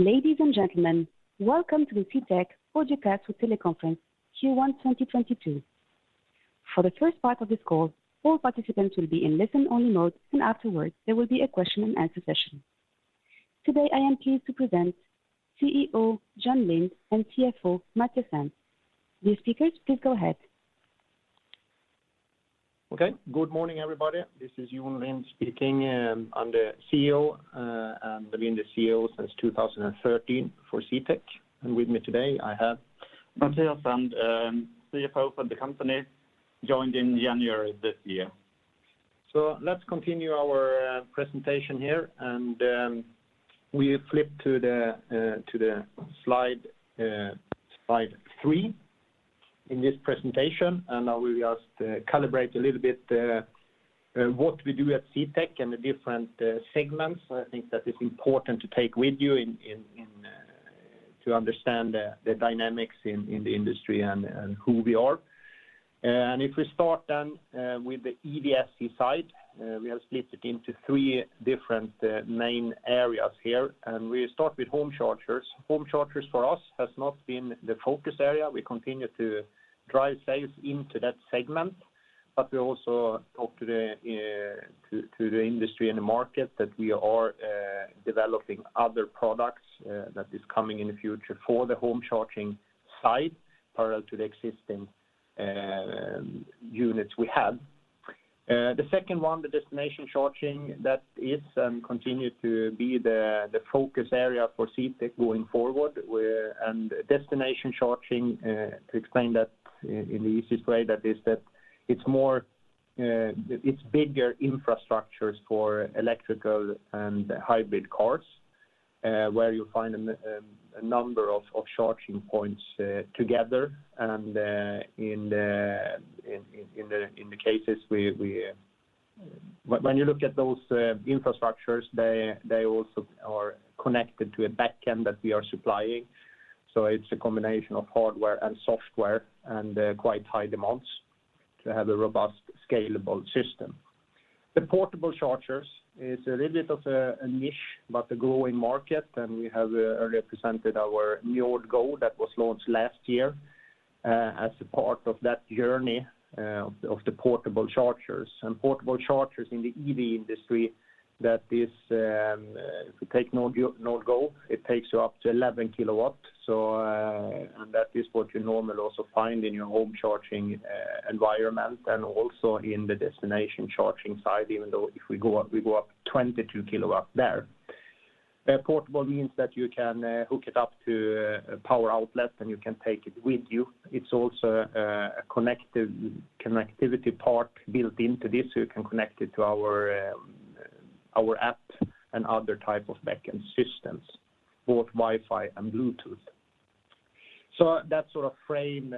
Ladies and gentlemen, welcome to the CTEK audio cast teleconference Q1 2022. For the first part of this call, all participants will be in listen only mode, and afterwards there will be a Q&A session. Today, I am pleased to present CEO Jon Lind and CFO Mathias Sandh. Dear speakers, please go ahead. Okay. Good morning, everybody. This is Jon Lind speaking. I'm the CEO, and I've been the CEO since 2013 for CTEK. With me today, I have Mathias Sandh, CFO for the company, joined in January this year. Let's continue our presentation here. We flip to the slide 3 in this presentation, and I will just calibrate a little bit what we do at CTEK and the different segments. I think that is important to take with you in to understand the dynamics in the industry and who we are. If we start then with the EVSE side, we have split it into three different main areas here, and we start with home chargers. Home chargers for us has not been the focus area. We continue to drive sales into that segment, but we also talk to the industry and the market that we are developing other products that is coming in the future for the home charging side parallel to the existing units we have. The second one, the destination charging, that is continued to be the focus area for CTEK going forward. Destination charging, to explain that in the easiest way that is that it's bigger infrastructures for electric and hybrid cars, where you'll find a number of charging points together. When you look at those infrastructures, they also are connected to a backend that we are supplying. It's a combination of hardware and software and quite high demands to have a robust, scalable system. The portable chargers is a little bit of a niche, but a growing market, and we have represented our NJORD GO that was launched last year, as a part of that journey, of the portable chargers. Portable chargers in the EV industry, that is, if you take NJORD GO, it takes you up to 11 kW. That is what you normally also find in your home charging environment and also in the destination charging side, even though if we go up, we go up 22 kW there. Portable means that you can hook it up to a power outlet, and you can take it with you. It's also a connected connectivity part built into this, so you can connect it to our app and other type of backend systems, both Wi-Fi and Bluetooth. That sort of frame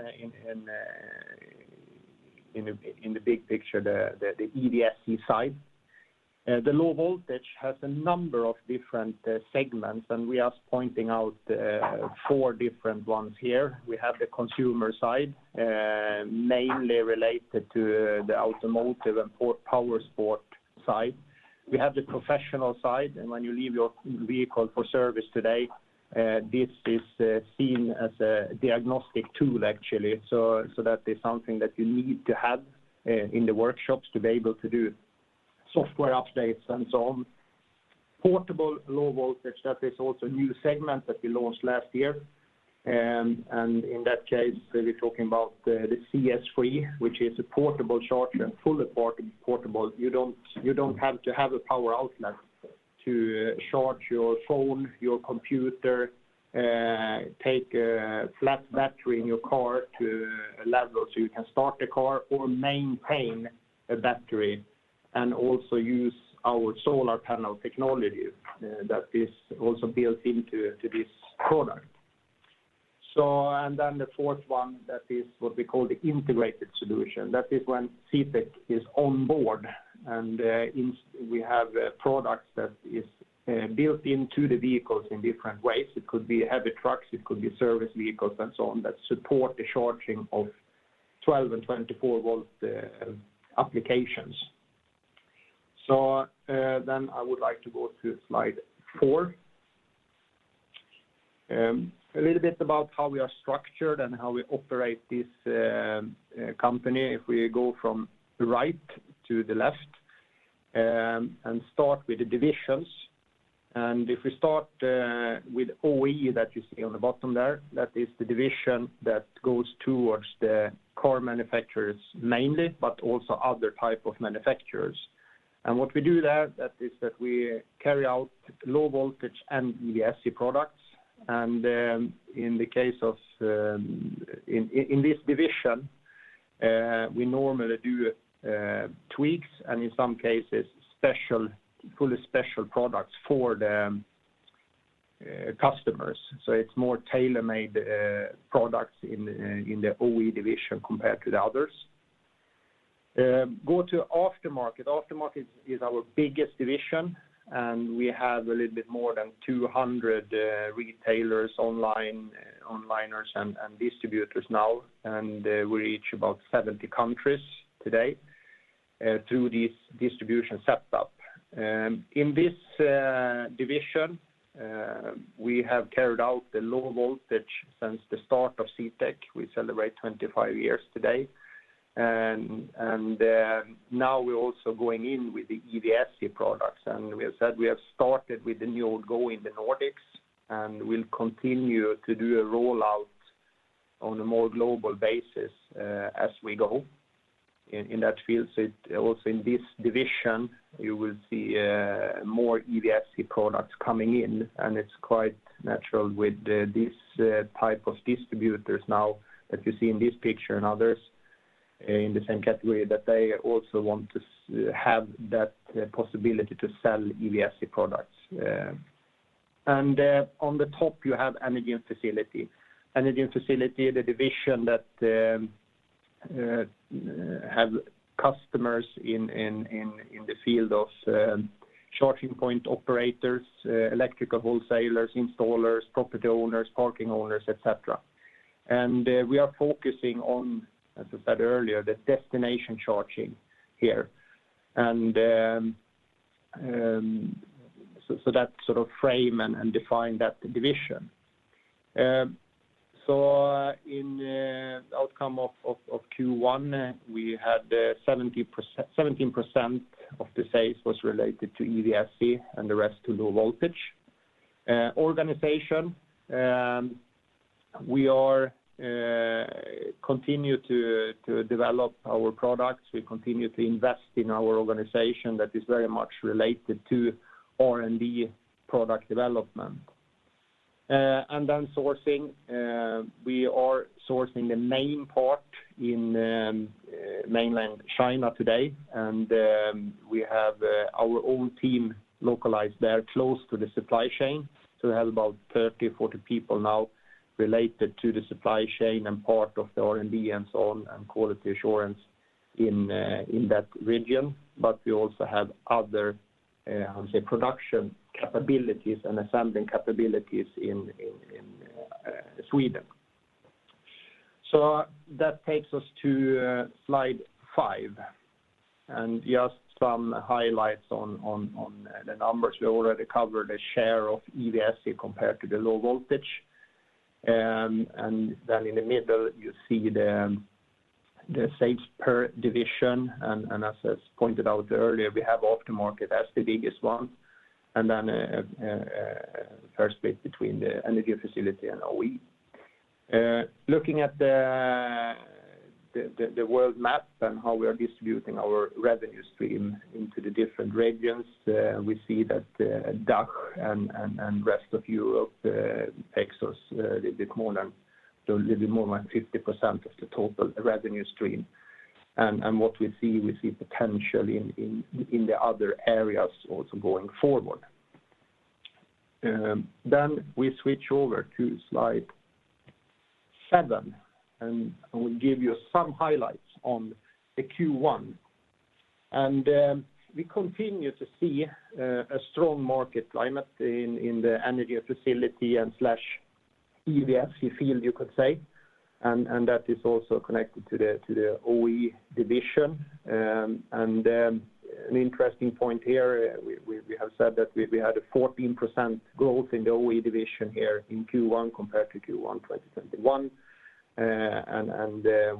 in the big picture, the EVSE side. The low voltage has a number of different segments, and we are pointing out four different ones here. We have the consumer side, mainly related to the automotive and powersport side. We have the professional side, and when you leave your vehicle for service today, this is seen as a diagnostic tool actually. That is something that you need to have in the workshops to be able to do software updates and so on. Portable low voltage, that is also a new segment that we launched last year. In that case, we're talking about the CS THREE, which is a portable charger and fully portable. You don't have to have a power outlet to charge your phone, your computer, take a flat battery in your car to a level, so you can start the car or maintain a battery and also use our solar panel technology that is also built into this product. The fourth one, that is what we call the integrated solution. That is when CTEK is on board and we have a product that is built into the vehicles in different ways. It could be heavy trucks, it could be service vehicles and so on that support the charging of 12 and 24 volt applications. I would like to go to slide four. A little bit about how we are structured and how we operate this company. If we go from the right to the left and start with the divisions. If we start with OE that you see on the bottom there, that is the division that goes towards the core manufacturers mainly, but also other type of manufacturers. What we do there is that we carry out low voltage and EVSE products. In the case of this division, we normally do tweaks and in some cases, special, fully special products for the customers. It's more tailor-made products in the OE division compared to the others. Go to aftermarket. Aftermarket is our biggest division, and we have a little bit more than 200 retailers, online, onliners and distributors now. We reach about 70 countries today through this distribution setup. In this division, we have carried out the low voltage since the start of CTEK. We celebrate 25 years today. Now we're also going in with the EVSE products. We have said we have started with the NJORD GO in the Nordics, and we'll continue to do a rollout on a more global basis as we go in that field. Also in this division, you will see more EVSE products coming in, and it's quite natural with this type of distributors now that you see in this picture and others in the same category that they also want to have that possibility to sell EVSE products. On the top you have Energy & Facilities. Energy & Facilities, the division that have customers in the field of charging point operators, electrical wholesalers, installers, property owners, parking owners, et cetera. We are focusing on, as I said earlier, the destination charging here. That sort of frame and define that division. In outcome of Q1, we had 17% of the sales was related to EVSE and the rest to low voltage. Our organization, we continue to develop our products. We continue to invest in our organization that is very much related to R&D product development. Then sourcing, we are sourcing the main part in mainland China today. We have our own team localized there close to the supply chain to have about 30, 40 people now related to the supply chain and part of the R&D and so on and quality assurance in that region. We also have other, I would say, production capabilities and assembling capabilities in Sweden. That takes us to slide five, and just some highlights on the numbers. We already covered a share of EVSE compared to the low voltage. In the middle you see the sales per division. As I pointed out earlier, we have Aftermarket as the biggest one, and then fairly split between Energy & Facilities and OE. Looking at the world map and how we are distributing our revenue stream into the different regions, we see that DACH and rest of Europe take up more than 50% of the total revenue stream. What we see, we see potential in the other areas also going forward. We switch over to slide seven, and I will give you some highlights on the Q1. We continue to see a strong market climate in the Energy & Facilities and EVSE field you could say, and that is also connected to the OE division. An interesting point here, we have said that we had a 14% growth in the OE division here in Q1 compared to Q1 2021.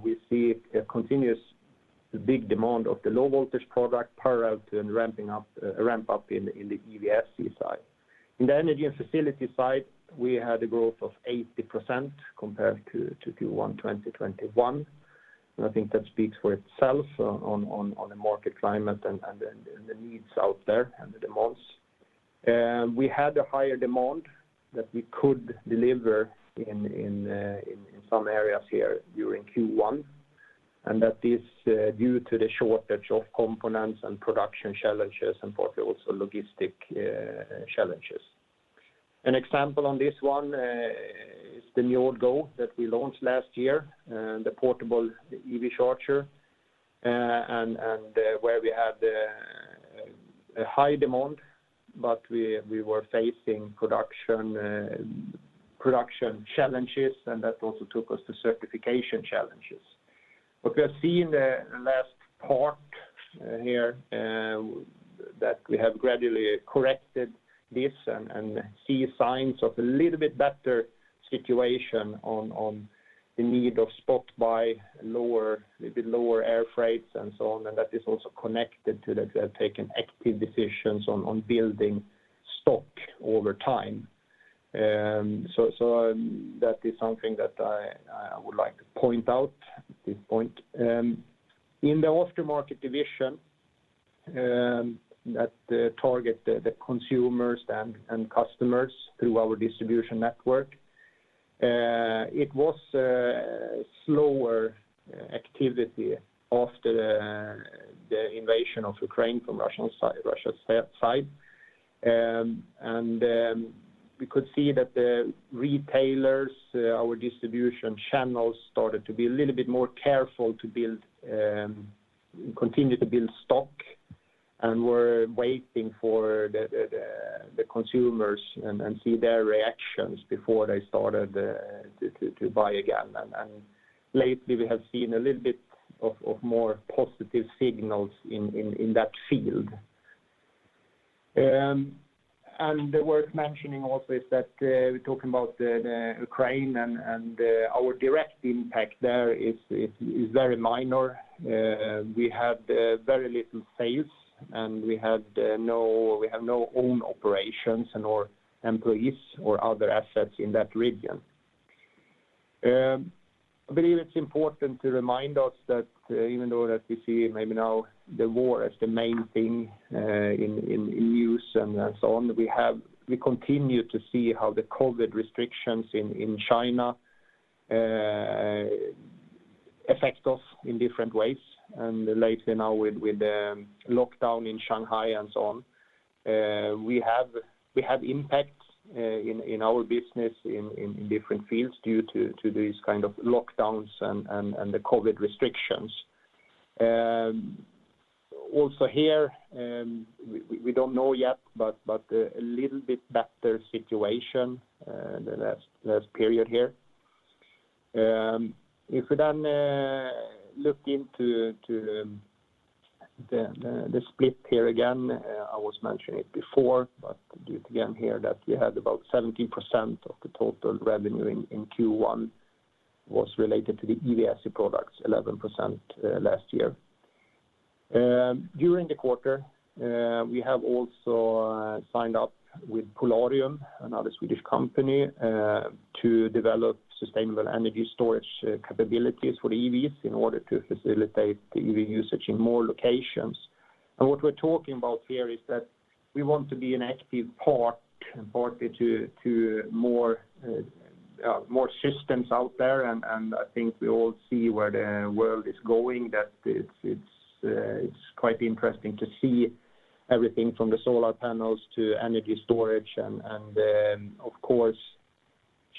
We see a continuous big demand of the low voltage product portfolio and ramping up in the EVSE side. In the Energy & Facilities side, we had a growth of 80% compared to Q1 2021, and I think that speaks for itself on the market climate and the needs out there and the demands. We had a higher demand that we could deliver in some areas here during Q1, and that is due to the shortage of components and production challenges and partly also logistics challenges. An example on this one is the NJORD GO that we launched last year, the portable EV charger, and where we had a high demand, but we were facing production challenges, and that also took us to certification challenges. What we are seeing the last part here, that we have gradually corrected this and see signs of a little bit better situation on the need of stock by lower air freights and so on, and that is also connected to that they have taken active decisions on building stock over time. That is something that I would like to point out at this point. In the Aftermarket division, that targets the consumers and customers through our distribution network, it was slower activity after the invasion of Ukraine from Russia's side. We could see that the retailers, our distribution channels started to be a little bit more careful to build, continue to build stock. We're waiting for the consumers and see their reactions before they started to buy again. Lately we have seen a little bit of more positive signals in that field. Worth mentioning also is that, we're talking about the Ukraine and our direct impact there is very minor. We have very little sales, and we have no own operations or employees or other assets in that region. I believe it's important to remind us that even though that we see maybe now the war as the main thing in news and so on, we continue to see how the COVID restrictions in China affect us in different ways. Lately now with the lockdown in Shanghai and so on, we have impacts in our business in different fields due to these kind of lockdowns and the COVID restrictions. Also here, we don't know yet, but a little bit better situation the last period here. If we then look into the split here again, I was mentioning it before, but do it again here that we had about 70% of the total revenue in Q1 was related to the EVSE products, 11% last year. During the quarter, we have also signed up with Polarium, another Swedish company, to develop sustainable energy storage capabilities for EVs in order to facilitate the EV usage in more locations. What we're talking about here is that we want to be an active party to more systems out there. I think we all see where the world is going, that it's quite interesting to see everything from the solar panels to energy storage and, of course,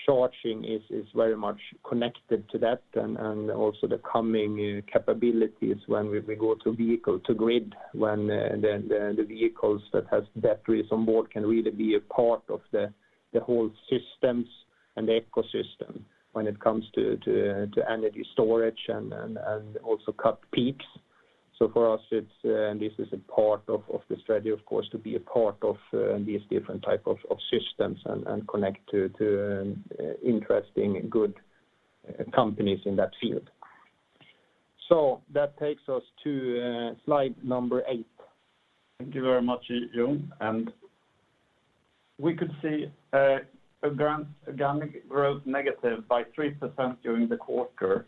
charging is very much connected to that. I also think the coming capabilities when we go to vehicle-to-grid, when the vehicles that has batteries on board can really be a part of the whole systems and the ecosystem when it comes to to energy storage and and also cut peaks. For us, it's this is a part of the strategy, of course, to be a part of these different type of systems and connect to interesting, good companies in that field. That takes us to slide number eight. Thank you very much, Jon. We could see organic growth negative by 3% during the quarter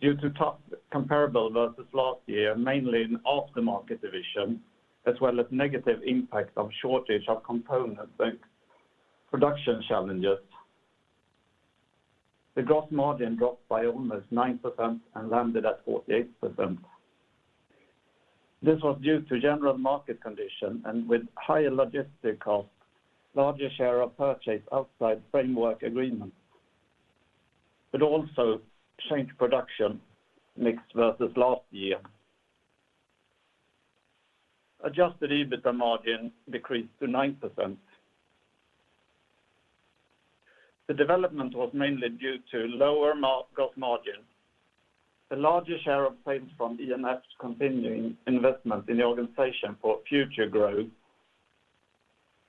due to tough comparable versus last year, mainly in aftermarket division, as well as negative impact of shortage of components and production challenges. The gross margin dropped by almost 9% and landed at 48%. This was due to general market condition and with higher logistics costs, larger share of purchases outside framework agreement, but also changed production mix versus last year. Adjusted EBITA margin decreased to 9%. The development was mainly due to lower gross margin. The larger share of sales from E&F continuing investment in the organization for future growth.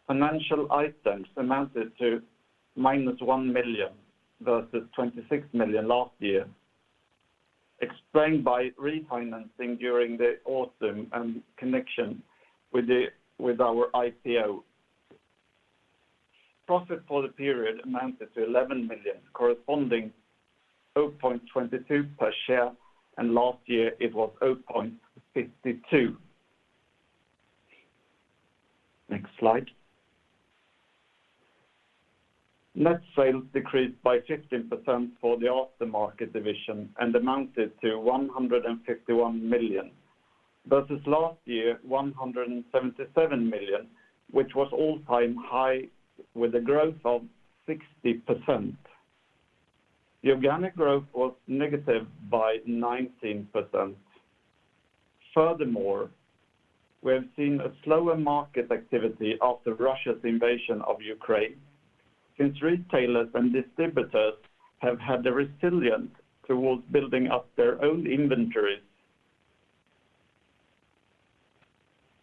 Financial items amounted to -1 million versus 26 million last year, explained by refinancing during the autumn and connection with our IPO. Profit for the period amounted to 11 million, corresponding 0.22 per share, and last year it was 0.52. Next slide. Net sales decreased by 15% for the aftermarket division and amounted to 151 million versus last year, 177 million, which was all-time high with a growth of 60%. The organic growth was negative by 19%. Furthermore, we have seen a slower market activity after Russia's invasion of Ukraine, since retailers and distributors have had the reluctance towards building up their own inventories.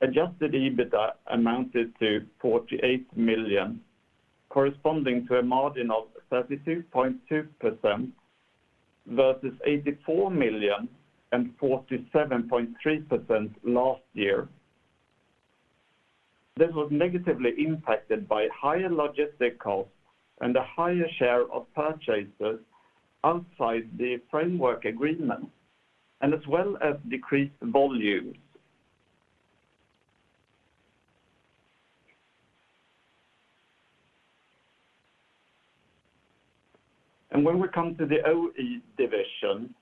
Adjusted EBITA amounted to 48 million, corresponding to a margin of 32.2% versus 84 million and 47.3% last year. This was negatively impacted by higher logistic costs and a higher share of purchases outside the framework agreement, and as well as decreased volumes. When we come to the OE division,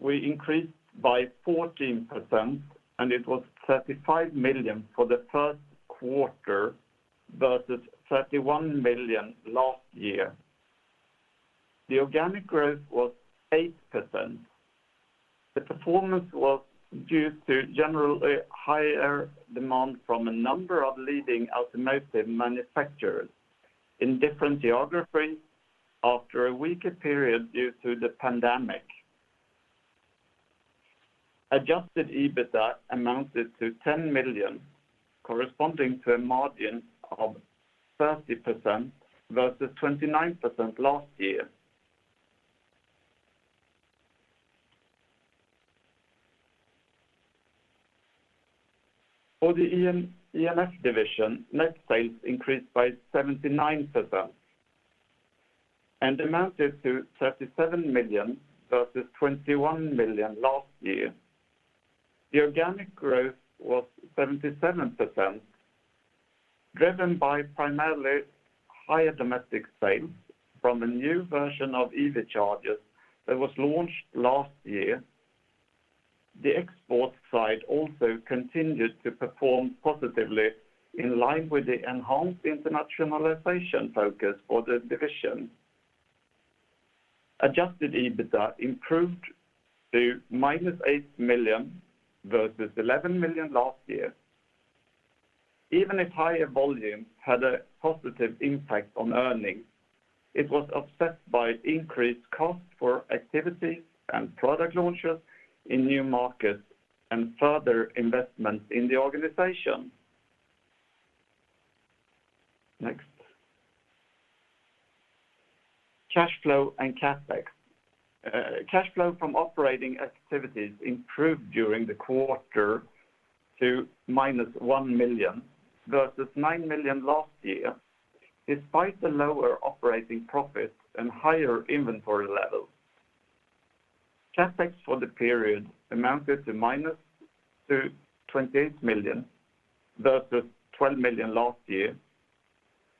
we increased by 14%, and it was 35 million for the Q1 versus 31 million last year. The organic growth was 8%. The performance was due to generally higher demand from a number of leading automotive manufacturers in different geographies after a weaker period due to the pandemic. Adjusted EBITA amounted to 10 million, corresponding to a margin of 30% versus 29% last year. For the E&F division, net sales increased by 79% and amounted to 37 million versus 21 million last year. The organic growth was 77%, driven by primarily higher domestic sales from a new version of EV chargers that was launched last year. The export side also continued to perform positively in line with the enhanced internationalization focus for the division. Adjusted EBITA improved to -8 million versus 11 million last year. Even if higher volume had a positive impact on earnings, it was offset by increased cost for activity and product launches in new markets and further investments in the organization. Next. Cash flow and CapEx. Cash flow from operating activities improved during the quarter to -1 million versus -9 million last year, despite the lower operating profits and higher inventory levels. CapEx for the period amounted to -228 million versus -12 million last year,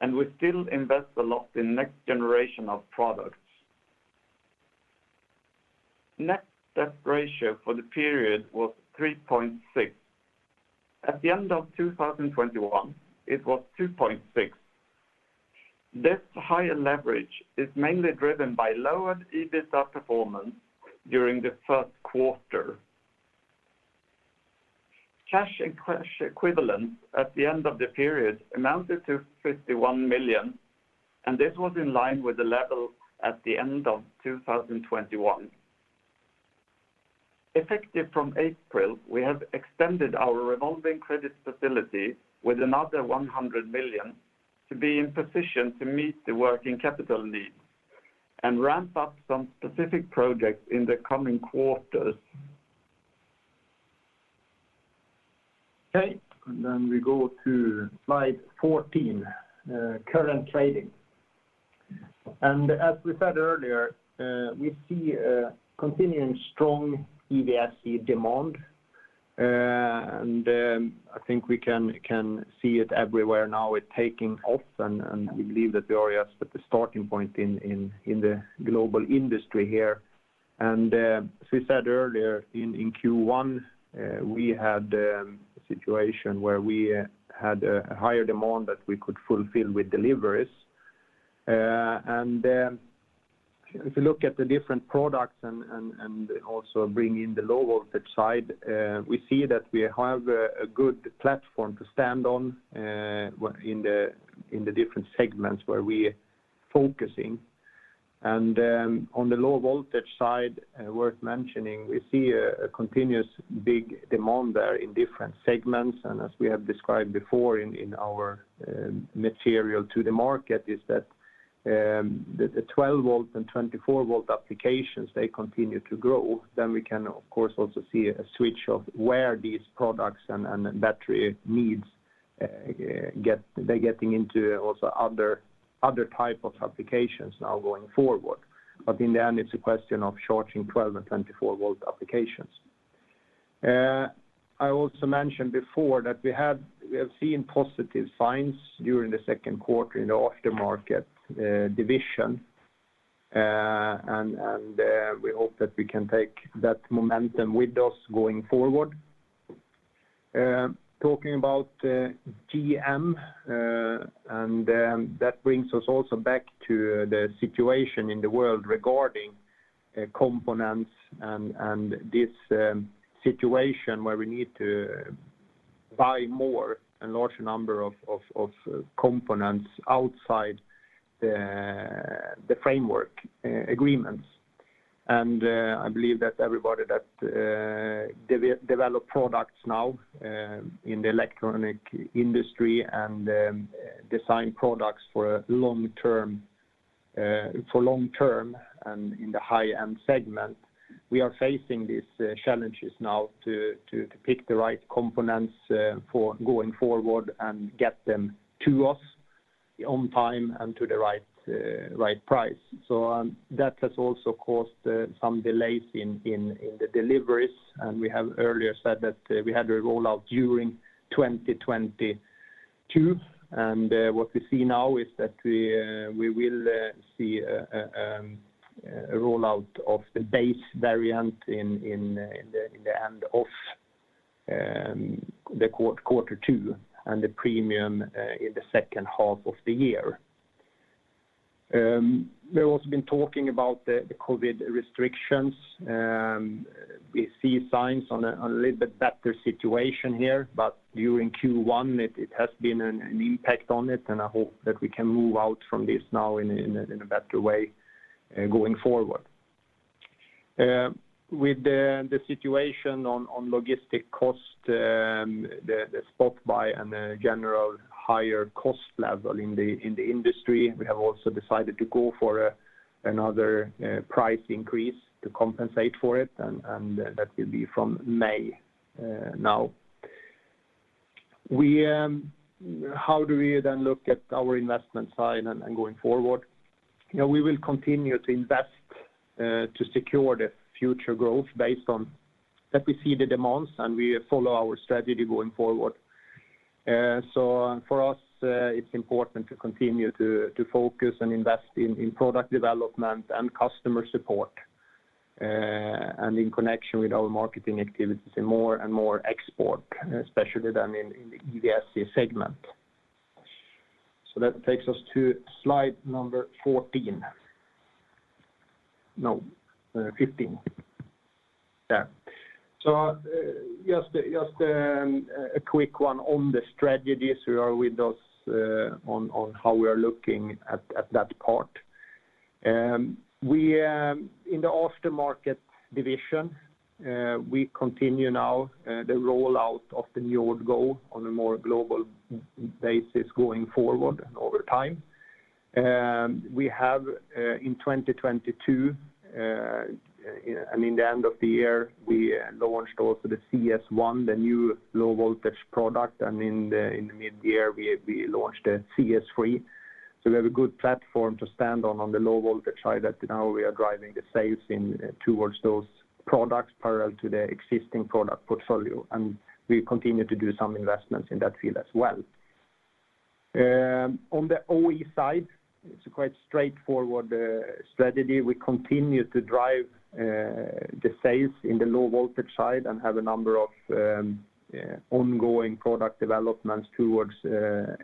and we still invest a lot in next generation of products. Net debt ratio for the period was 3.6. At the end of 2021, it was 2.6. This higher leverage is mainly driven by lower EBITA performance during the Q1. Cash and cash equivalents at the end of the period amounted to 51 million, and this was in line with the level at the end of 2021. Effective from April, we have extended our revolving credit facility with another 100 million to be in position to meet the working capital needs and ramp up some specific projects in the coming quarters. Okay, we go to slide 14, current trading. As we said earlier, we see a continuing strong EVSE demand. I think we can see it everywhere now. It's taking off, and we believe that we are just at the starting point in the global industry here. As we said earlier in Q1, we had a situation where we had a higher demand that we could fulfill with deliveries. If you look at the different products and also bring in the low voltage side, we see that we have a good platform to stand on in the different segments where we're focusing. On the low voltage side, worth mentioning, we see a continuous big demand there in different segments. As we have described before in our material to the market is that, the 12 V and 24 V applications, they continue to grow. We can of course also see a switch of where these products and battery needs, they're getting into also other type of applications now going forward. In the end, it's a question of charging 12 V and 24 V applications. I also mentioned before that we have seen positive signs during the Q2 in the aftermarket division. We hope that we can take that momentum with us going forward. Talking about GM and that brings us also back to the situation in the world regarding components and this situation where we need to buy more and larger number of components outside the framework agreements. I believe that everybody that develop products now in the electronic industry and design products for long-term and in the high-end segment, we are facing these challenges now to pick the right components for going forward and get them to us on time and to the right price. That has also caused some delays in the deliveries. We have earlier said that we had a rollout during 2022. What we see now is that we will see a rollout of the base variant in the end of the quarter two and the premium in the H2 of the year. We've also been talking about the COVID restrictions. We see signs of a little bit better situation here, but during Q1, it has been an impact on it, and I hope that we can move out from this now in a better way going forward. With the situation on logistics cost, the spot buy and the general higher cost level in the industry, we have also decided to go for another price increase to compensate for it. That will be from May now. How do we then look at our investment side and going forward? You know, we will continue to invest to secure the future growth based on that we see the demands, and we follow our strategy going forward. For us, it's important to continue to focus and invest in product development and customer support, and in connection with our marketing activities in more and more export, especially in the EVSE segment. That takes us to slide number 14. No, 15. There. Just a quick one on the strategies we have with us on how we are looking at that part. In the Aftermarket division, we continue the rollout of the NJORD GO on a more global basis going forward and over time. We have in 2022 and in the end of the year, we launched also the CS ONE, the new low voltage product, and in mid-year, we launched the CS THREE. We have a good platform to stand on the low voltage side that now we are driving the sales in towards those products parallel to the existing product portfolio, and we continue to do some investments in that field as well. On the OE side, it's quite straightforward strategy. We continue to drive the sales in the low voltage side and have a number of ongoing product developments towards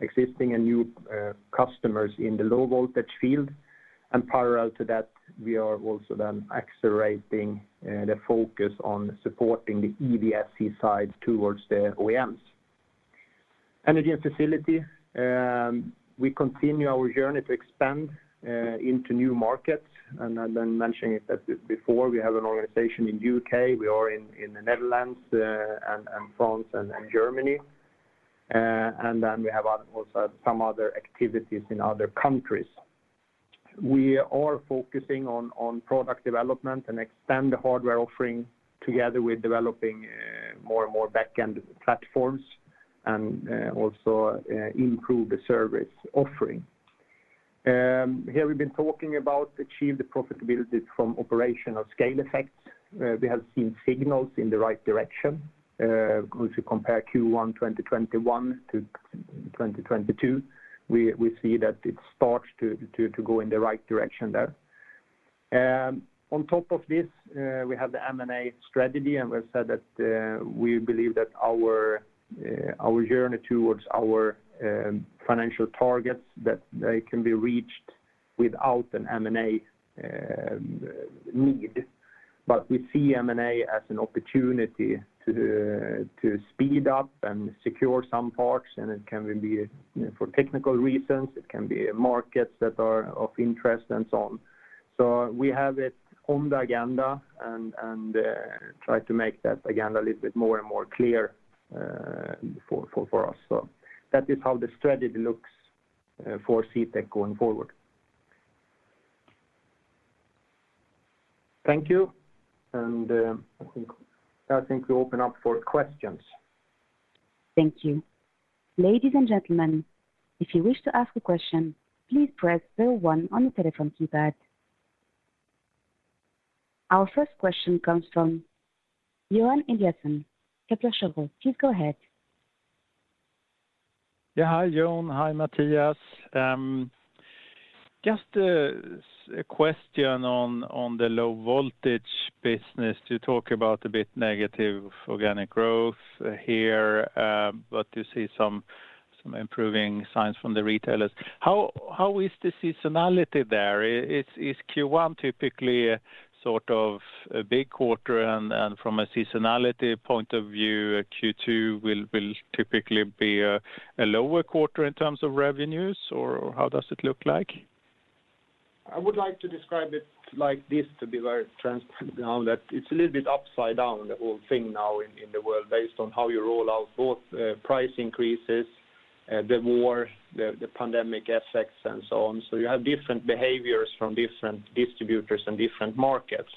existing and new customers in the low voltage field. Parallel to that, we are also then accelerating the focus on supporting the EVSE side towards the OEMs. Energy & Facilities, we continue our journey to expand into new markets, and I've been mentioning it as before, we have an organization in U.K., we are in the Netherlands, and France and Germany. We have also some other activities in other countries. We are focusing on product development and extend the hardware offering together with developing more and more backend platforms and also improve the service offering. Here we've been talking about achieve the profitability from operational scale effects. We have seen signals in the right direction. If you compare Q1 2021-2022, we see that it starts to go in the right direction there. On top of this, we have the M&A strategy, and we've said that we believe that our journey towards our financial targets can be reached without an M&A need. But we see M&A as an opportunity to speed up and secure some parts, and it can be, you know, for technical reasons, it can be markets that are of interest and so on. We have it on the agenda and try to make that agenda a little bit more and more clear for us. That is how the strategy looks for CTEK going forward. Thank you. I think we open up for questions. Thank you. Ladies and gentlemen, if you wish to ask a question, please press zero one on the telephone keypad. Our first question comes from Johan Eliason, Kepler Cheuvreux. Please go ahead. Yeah, hi, Jon. Hi, Mathias. Just a question on the low voltage business. You talk about a bit negative organic growth here, but you see some improving signs from the retailers. How is the seasonality there? Is Q1 typically sort of a big quarter and from a seasonality point of view, Q2 will typically be a lower quarter in terms of revenues, or how does it look like? I would like to describe it like this to be very transparent now that it's a little bit upside down, the whole thing now in the world based on how you roll out both price increases, the war, the pandemic effects, and so on. You have different behaviors from different distributors and different markets.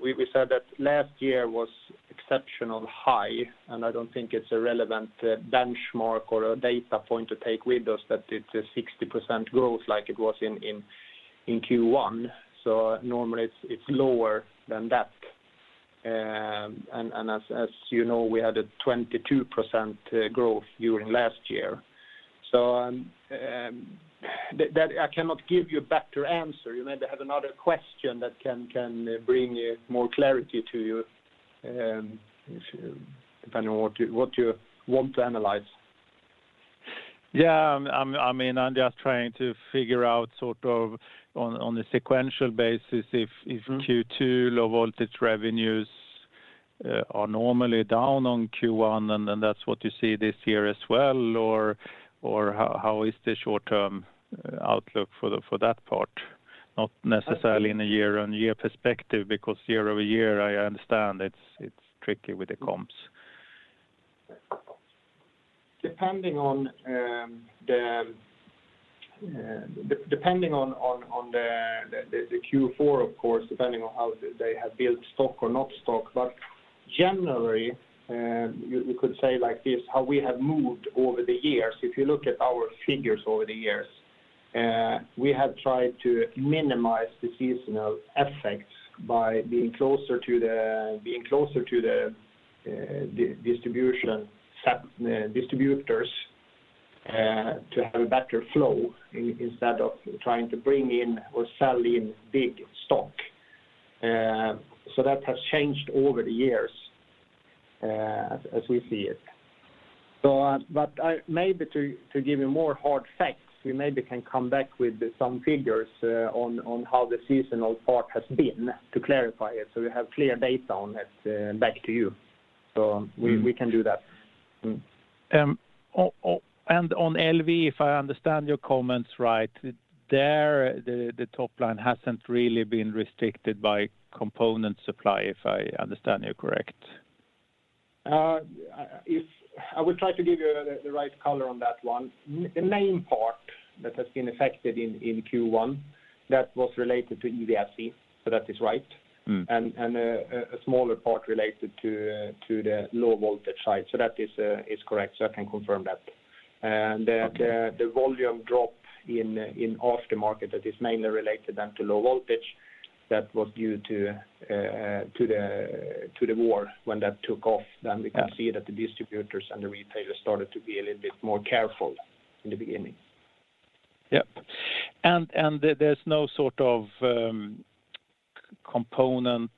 We said that last year was exceptionally high, and I don't think it's a relevant benchmark or a data point to take with us that it's a 60% growth like it was in Q1. Normally it's lower than that. As you know, we had a 22% growth during last year. That I cannot give you a better answer. You maybe have another question that can bring more clarity to you, if you, depending on what you want to analyze. Yeah. I mean, I'm just trying to figure out sort of on a sequential basis if- Mm-hmm. If Q2 low voltage revenues are normally down on Q1, and then that's what you see this year as well, or how is the short-term outlook for that part? Not necessarily. I think- In a year-over-year perspective, because year-over-year I understand it's tricky with the comps. Depending on the Q4, of course, depending on how they have built stock or not stock. Generally, you could say like this, how we have moved over the years, if you look at our figures over the years, we have tried to minimize the seasonal effects by being closer to the distributors, to have a better flow instead of trying to bring in or sell in big stock. That has changed over the years, as we see it. Maybe to give you more hard facts, we maybe can come back with some figures on how the seasonal part has been to clarify it, so we have clear data on it, back to you. So we- Mm-hmm. We can do that. Mm-hmm. On LV, if I understand your comments right, there the top line hasn't really been restricted by component supply, if I understand you correct. I will try to give you the right color on that one. The main part that has been affected in Q1, that was related to EVSE, so that is right. Mm-hmm. A smaller part related to the low voltage side. That is correct, so I can confirm that. Okay. The volume drop in aftermarket that is mainly related then to low voltage, that was due to the war when that took off, then we Yeah. Can see that the distributors and the retailers started to be a little bit more careful in the beginning. Yep. There's no sort of component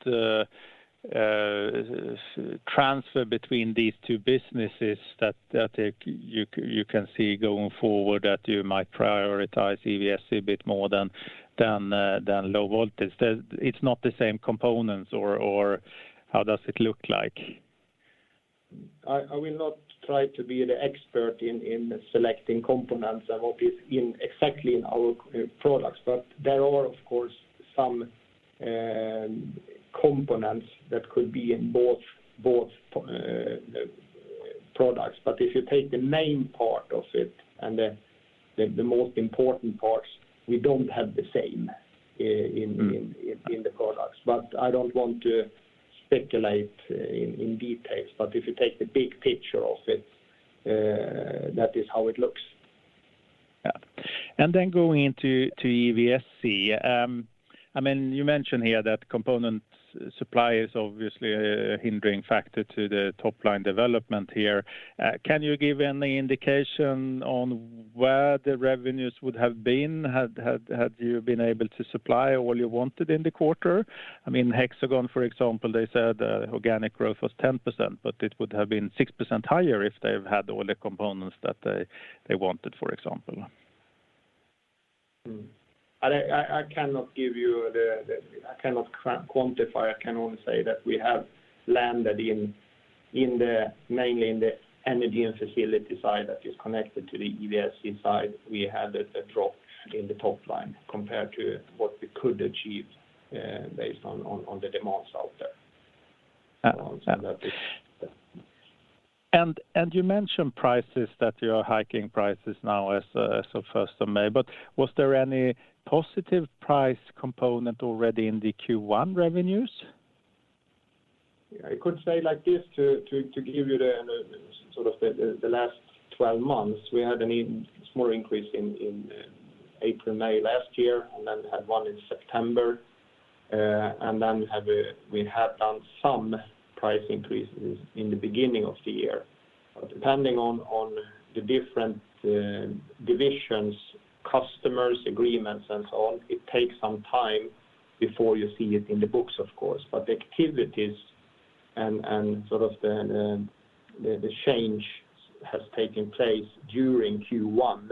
transfer between these two businesses that you can see going forward that you might prioritize EVSE a bit more than low voltage. It's not the same components or how does it look like? I will not try to be the expert in selecting components and obviously in exactly our products. There are of course some components that could be in both products. If you take the main part of it and the most important parts, we don't have the same in Mm-hmm. in the products. I don't want to speculate in details. If you take the big picture of it, that is how it looks. Yeah. Going into EVSE. I mean, you mentioned here that component supply is obviously a hindering factor to the top line development here. Can you give any indication on where the revenues would have been had you been able to supply all you wanted in the quarter? I mean, Hexagon, for example, they said organic growth was 10%, but it would have been 6% higher if they've had all the components that they wanted, for example. I cannot quantify. I can only say that we have landed mainly in the Energy & Facilities side that is connected to the EVSE side. We had a drop in the top line compared to what we could achieve based on the demands out there. Uh, uh. That is, yeah. You mentioned prices, that you are hiking prices now as of first of May. Was there any positive price component already in the Q1 revenues? I could say like this to give you sort of the last 12 months, we had a small increase in April, May last year, and then had one in September. We have done some price increases in the beginning of the year. Depending on the different divisions, customers, agreements, and so on, it takes some time before you see it in the books of course. The activities and sort of the change has taken place during Q1,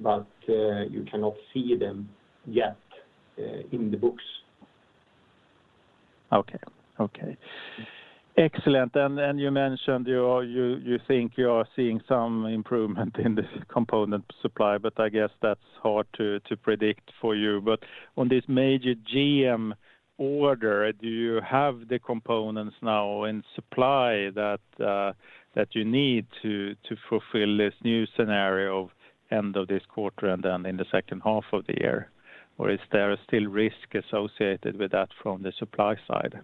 but you cannot see them yet in the books. Okay. Excellent. You mentioned you think you are seeing some improvement in the component supply, but I guess that's hard to predict for you. On this major GM order, do you have the components now in supply that you need to fulfill this new scenario end of this quarter and then in the H2 of the year? Is there still risk associated with that from the supply side?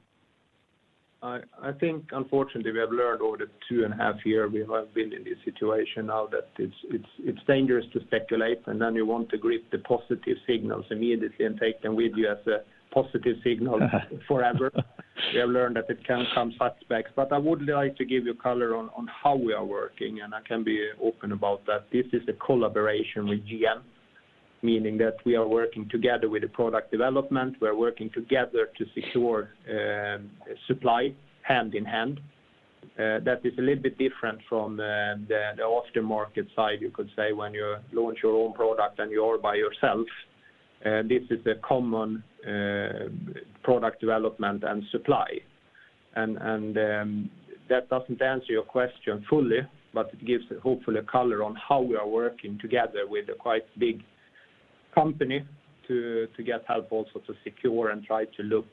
I think unfortunately we have learned over the two and half years we have been in this situation now that it's dangerous to speculate, and then you want to grasp the positive signals immediately and take them with you as a positive signal forever. We have learned that it can come setbacks. I would like to give you color on how we are working, and I can be open about that. This is a collaboration with GM, meaning that we are working together with the product development. We're working together to secure supply hand-in-hand. This is a little bit different from the after-market side, you could say, when you launch your own product and you're by yourself. This is a common product development and supply. That doesn't answer your question fully, but it gives hopefully a color on how we are working together with a quite big company to get help also to secure and try to look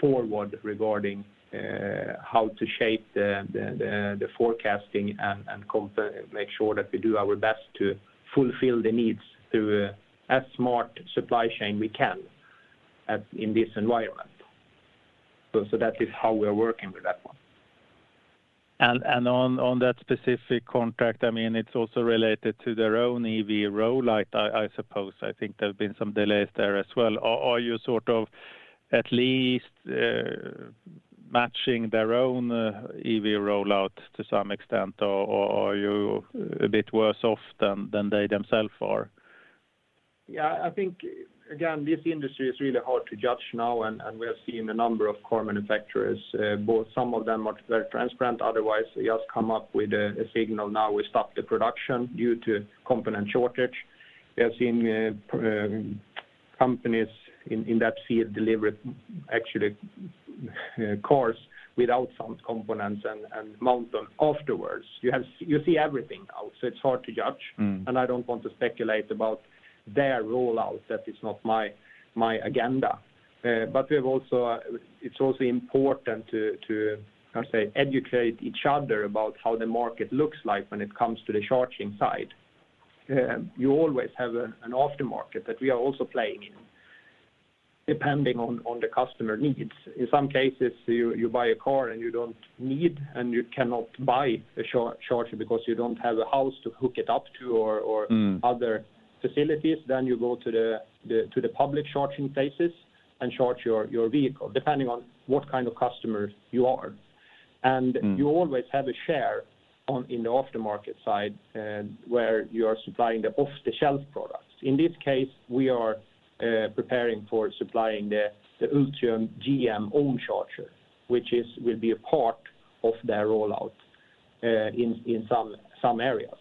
forward regarding how to shape the forecasting and make sure that we do our best to fulfill the needs through as smart a supply chain we can in this environment. That is how we are working with that one. On that specific contract, I mean, it's also related to their own EV rollout, I suppose. I think there have been some delays there as well. Are you sort of at least matching their own EV rollout to some extent, or are you a bit worse off than they themselves are? Yeah, I think, again, this industry is really hard to judge now and we are seeing a number of car manufacturers, both some of them are very transparent, otherwise they just come up with a signal now we stop the production due to component shortage. We have seen companies in that field deliver actually cars without some components and mount them afterwards. You see everything now, so it's hard to judge. Mm. I don't want to speculate about their rollout. That is not my agenda. But we have also, it's also important to educate each other about how the market looks like when it comes to the charging side. You always have an after market that we are also playing in, depending on the customer needs. In some cases, you buy a car and you don't need and you cannot buy a charger because you don't have a house to hook it up to or. Mm other facilities. You go to the public charging places and charge your vehicle, depending on what kind of customer you are. Mm. You always have a share in the aftermarket side, where you are supplying the off-the-shelf products. In this case, we are preparing for supplying the Ultium GM own charger, which will be a part of their rollout in some areas.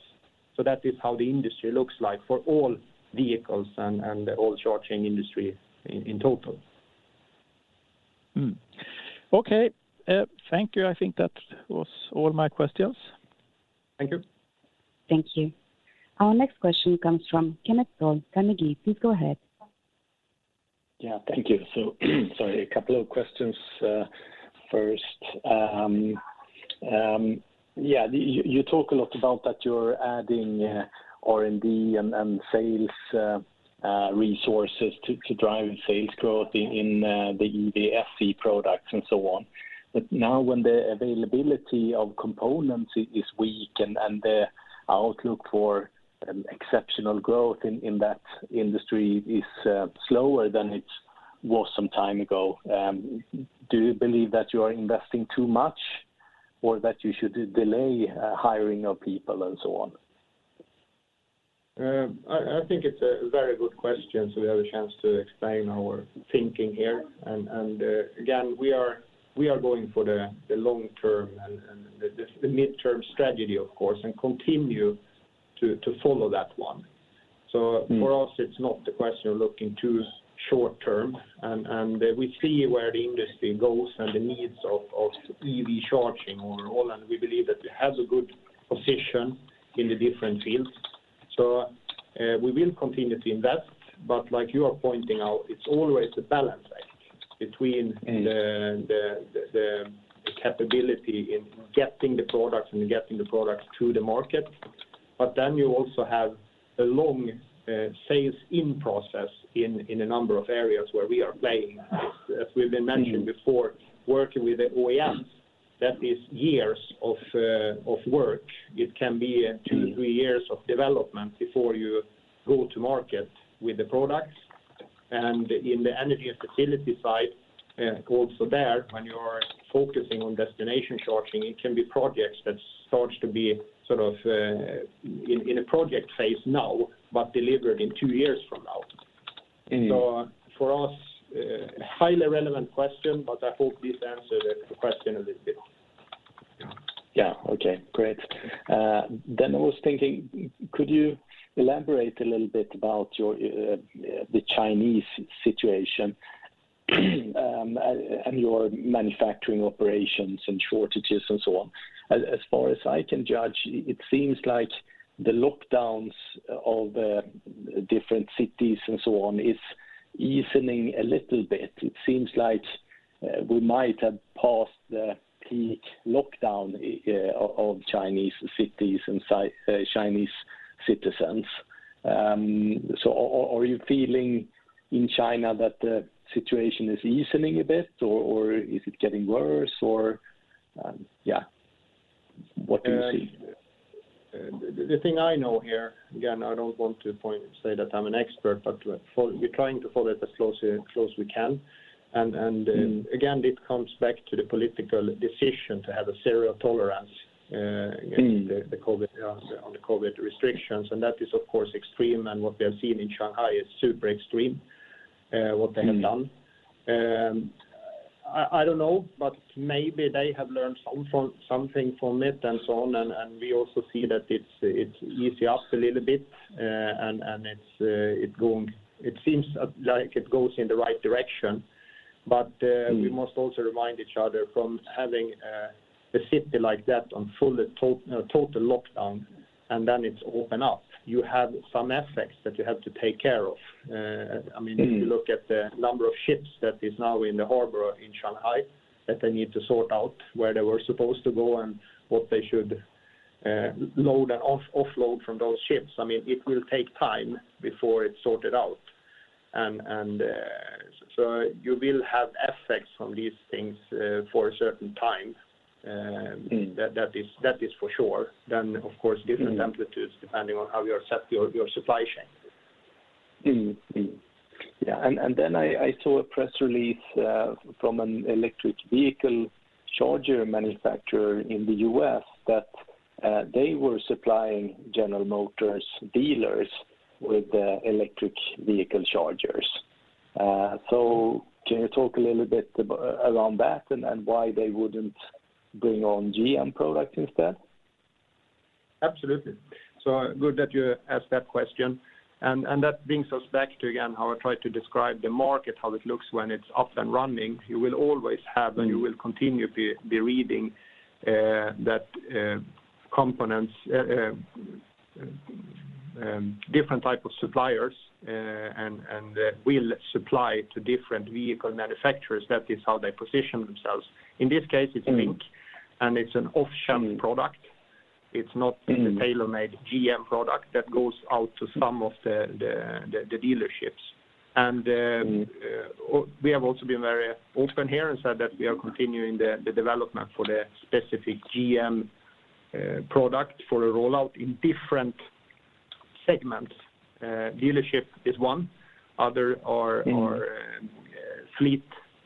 That is how the industry looks like for all vehicles and all charging industry in total. Okay. Thank you. I think that was all my questions. Thank you. Thank you. Our next question comes from Kenneth Toll Johansson, Carnegie. Please go ahead. Yeah, thank you. Sorry, a couple of questions. First, you talk a lot about that you're adding R&D and sales resources to drive sales growth in the EVSE products and so on. But now when the availability of components is weak and the outlook for exceptional growth in that industry is slower than it was some time ago, do you believe that you are investing too much or that you should delay hiring of people and so on? I think it's a very good question, so we have a chance to explain our thinking here. Again, we are going for the long term and the midterm strategy of course, and continue to follow that one. Mm. For us it's not the question of looking too short term and we see where the industry goes and the needs of EV charging overall, and we believe that it has a good position in the different fields. We will continue to invest, but like you are pointing out, it's always a balance actually between. Mm the capability in getting the products to the market. You also have a long sales process in a number of areas where we are playing, as we've been mentioning before, working with the OEMs. That is years of work. It can be two-three years of development before you go to market with the products. In the energy and facility side, also there, when you are focusing on destination charging, it can be projects that starts to be sort of in a project phase now, but delivered in two years from now. Mm. For us, highly relevant question, but I hope this answered the question a little bit. Yeah. Okay. Great. I was thinking, could you elaborate a little bit about your the Chinese situation, and your manufacturing operations and shortages and so on? As far as I can judge, it seems like the lockdowns of different cities and so on is easing a little bit. It seems like we might have passed the peak lockdown of Chinese cities and Chinese citizens. Are you feeling in China that the situation is easing a bit or is it getting worse or yeah. What do you see? The thing I know here, again, I don't want to point and say that I'm an expert, but we're trying to follow it as close we can. Again, it comes back to the political decision to have a zero tolerance. Mm-hmm against the COVID, yes, on the COVID restrictions. That is, of course, extreme. What we have seen in Shanghai is super extreme, what they have done. Mm-hmm. I don't know, but maybe they have learned some from something from it and so on. We also see that it's EBITA up a little bit, and it seems like it goes in the right direction. Mm-hmm We must also remind each other from having a city like that on full total lockdown, and then it's open up. You have some effects that you have to take care of. I mean- Mm-hmm If you look at the number of ships that is now in the harbor in Shanghai, that they need to sort out where they were supposed to go and what they should load and offload from those ships. I mean, it will take time before it's sorted out. You will have effects from these things for a certain time. Mm-hmm That is for sure. Of course. Mm-hmm Different amplitudes depending on how you have set your supply chain. I saw a press release from an electric vehicle charger manufacturer in the US that they were supplying General Motors dealers with the electric vehicle chargers. Can you talk a little bit about that and why they wouldn't bring on GM products instead? Absolutely. Good that you asked that question. That brings us back to, again, how I tried to describe the market, how it looks when it's up and running. You will always have. Mm-hmm You will continue to be reading about different types of suppliers and will supply to different vehicle manufacturers. That is how they position themselves. In this case, it's Blink, and it's an off-the-shelf product. It's not the tailor-made GM product that goes out to some of the dealerships. Mm-hmm... we have also been very open here and said that we are continuing the development for the specific GM product for a rollout in different segments. Dealership is one. Other are Mm-hmm are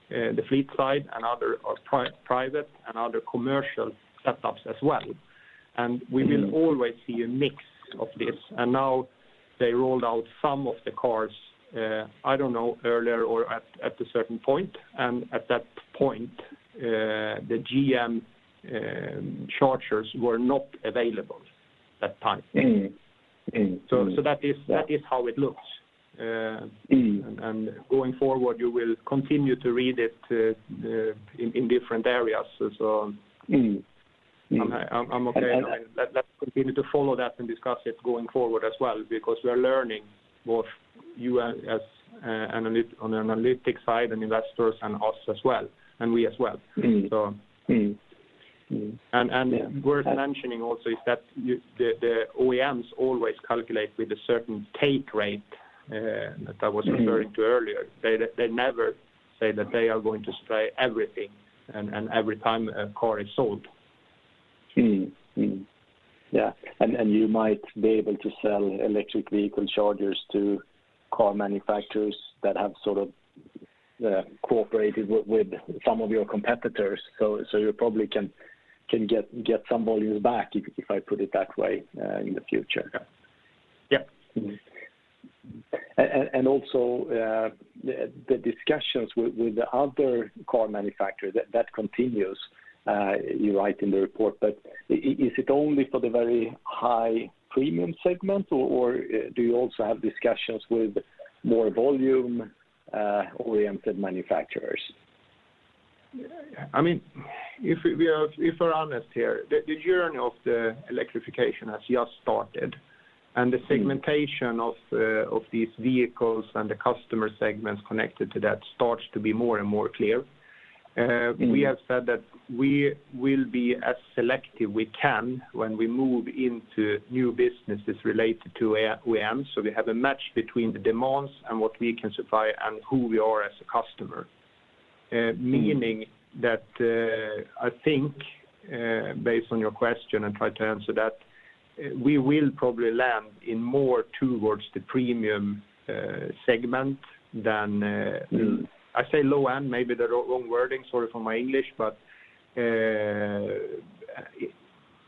the fleet side and others are private and other commercial setups as well. We will always see a mix of this. Now they rolled out some of the cars, I don't know, earlier or at a certain point. At that point, the GM chargers were not available that time. Mm-hmm. Mm-hmm. That is how it looks. Mm-hmm Going forward, you will continue to read it in different areas as so. Mm-hmm. Mm-hmm. I'm okay. Let's continue to follow that and discuss it going forward as well, because we are learning both you as analysts on an analytic side and investors and us as well. Mm-hmm. So. Mm-hmm. Mm-hmm. Yeah. Worth mentioning also is that the OEMs always calculate with a certain take rate that I was referring to earlier. They never say that they are going to supply everything and every time a car is sold. Mm-hmm. Mm-hmm. Yeah. You might be able to sell electric vehicle chargers to car manufacturers that have sort of cooperated with some of your competitors. You probably can get some volumes back, if I put it that way, in the future. Yeah. Yep. Also, the discussions with the other car manufacturers that continues, you write in the report. Is it only for the very high premium segment, or do you also have discussions with more volume oriented manufacturers? Yeah. I mean, if we are, if we're honest here, the journey of the electrification has just started. The segmentation of these vehicles and the customer segments connected to that starts to be more and more clear. Mm-hmm We have said that we will be as selective as we can when we move into new businesses related to OEM. We have a match between the demands and what we can supply and who we are as a customer. Meaning that, I think, based on your question, I'll try to answer that, we will probably land more towards the premium segment than. Mm-hmm I say low end, maybe the wrong wording, sorry for my English, but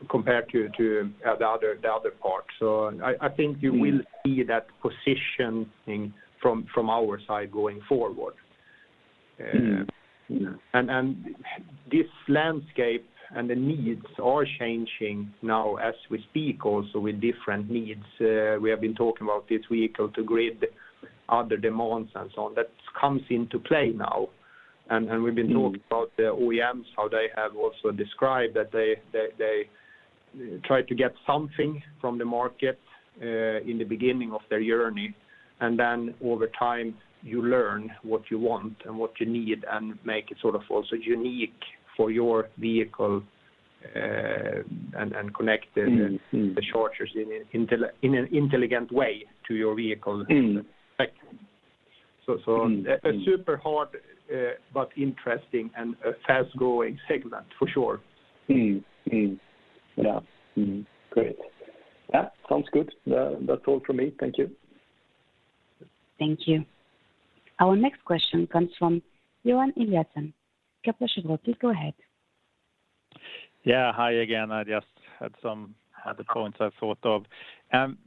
compared to the other part. I think you will see that positioning from our side going forward. Mm-hmm. Yeah This landscape and the needs are changing now as we speak also with different needs. We have been talking about this vehicle-to-grid, other demands and so on, that comes into play now. We've been talking about the OEMs, how they have also described that they try to get something from the market, in the beginning of their journey. Then over time you learn what you want and what you need and make it sort of also unique for your vehicle, and connect the- Mm-hmm. Mm-hmm. The chargers in an intelligent way to your vehicle. Mm-hmm A super hard, but interesting and a fast growing segment for sure. Yeah. Great. Yeah, sounds good. That's all from me. Thank you. Thank you. Our next question comes from Johan Eliason, Kepler Cheuvreux, please go ahead. Yeah. Hi again. I just had some other points I thought of.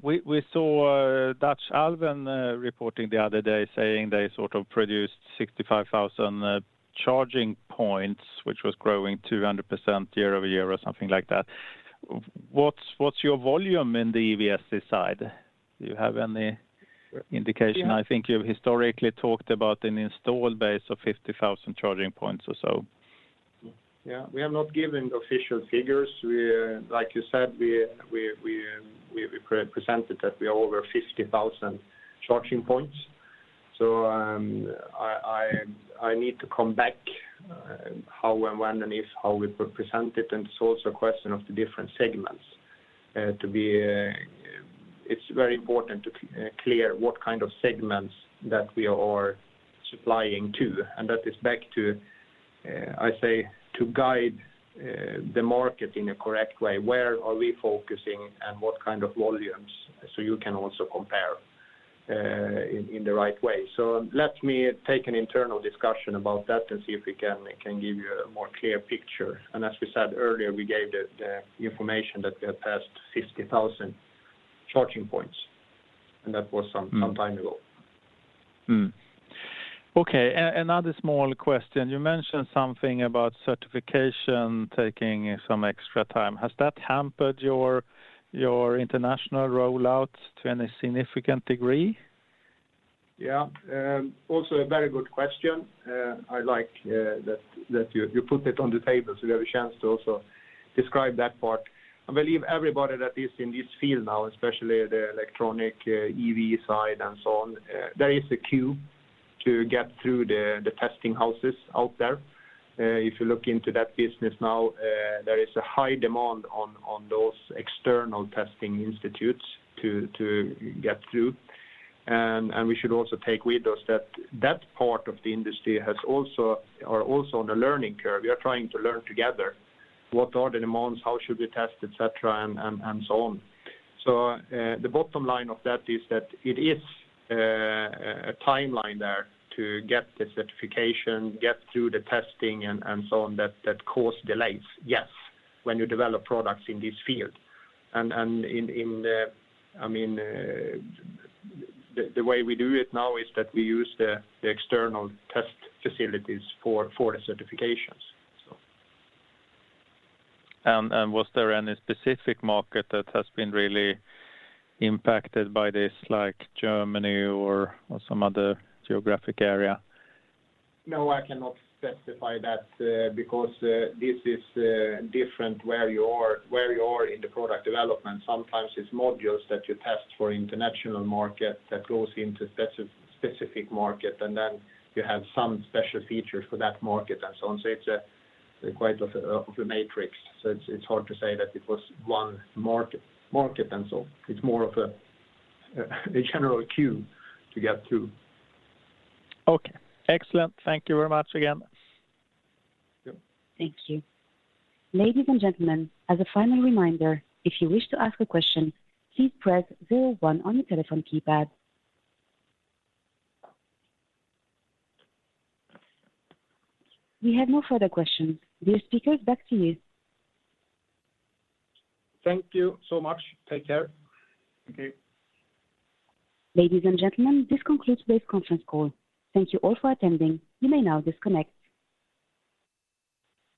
We saw Alfen reporting the other day saying they sort of produced 65,000 charging points, which was growing 200% year-over-year or something like that. What's your volume in the EVSE side? Do you have any indication? I think you've historically talked about an installed base of 50,000 charging points or so. Yeah. We have not given official figures. Like you said, we represented that we are over 50,000 charging points. I need to come back how and when and if we present it, and it's also a question of the different segments. It's very important to clarify what kind of segments that we are supplying to. That is back to, I say, to guide the market in a correct way, where are we focusing and what kind of volumes, so you can also compare in the right way. Let me take an internal discussion about that and see if we can give you a more clear picture. as we said earlier, we gave the information that we have passed 50,000 charging points, and that was some time ago. Okay. Another small question. You mentioned something about certification taking some extra time. Has that hampered your international rollout to any significant degree? Yeah. Also a very good question. I like that you put it on the table, so we have a chance to also describe that part. I believe everybody that is in this field now, especially the electronic EV side and so on, there is a queue to get through the testing houses out there. If you look into that business now, there is a high demand on those external testing institutes to get through. We should also take with us that part of the industry are also on a learning curve. We are trying to learn together what are the demands, how should we test, et cetera, and so on. The bottom line of that is that it is a timeline there to get the certification, get through the testing and so on that cause delays, yes, when you develop products in this field. I mean, the way we do it now is that we use the external test facilities for the certifications. Was there any specific market that has been really impacted by this, like Germany or some other geographic area? No, I cannot specify that, because this is different where you are in the product development. Sometimes it's modules that you test for international market that goes into specific market, and then you have some special features for that market and so on. It's a kind of a matrix. It's hard to say that it was one market and so. It's more of a general queue to get through. Okay. Excellent. Thank you very much again. Yeah. Thank you. Ladies and gentlemen, as a final reminder, if you wish to ask a question, please press zero one on your telephone keypad. We have no further questions. Dear speakers, back to you. Thank you so much. Take care. Thank you. Ladies and gentlemen, this concludes today's conference call. Thank you all for attending. You may now disconnect.